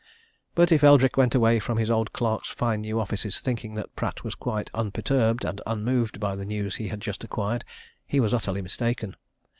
But if Eldrick went away from his old clerk's fine new offices thinking that Pratt was quite unperturbed and unmoved by the news he had just acquired, he was utterly mistaken.